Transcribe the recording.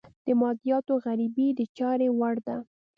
د مادیاتو غريبي د چارې وړ ده.